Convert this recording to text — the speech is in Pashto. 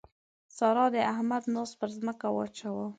سارا د احمد ناز پر ځمکه واچاوو.